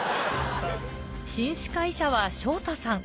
新司会者は昇太さん。